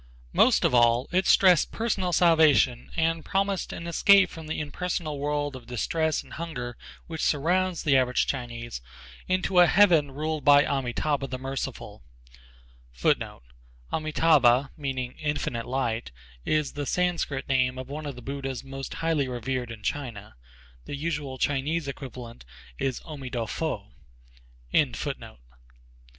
Most of all it stressed personal salvation and promised an escape from the impersonal world of distress and hunger which surrounds the average Chinese into a heaven ruled by Amitâbha [Footnote: Amitâbha, meaning "infinite light," is the Sanskrit name of one of the Buddhas moat highly revered in China. The usual Chinese equivalent is Omi To Fo.] the Merciful.